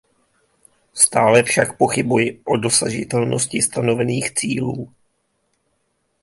Stále však pochybuji o dosažitelnosti stanovených cílů.